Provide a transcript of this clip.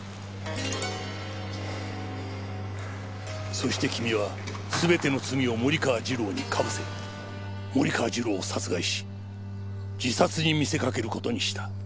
そして君は全ての罪を森川次郎にかぶせ森川次郎を殺害し自殺に見せかける事にした。